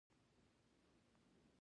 خصوصي سکتور ته د ودې زمینه برابریږي.